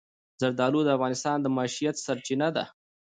زردالو د افغانانو د معیشت سرچینه ده.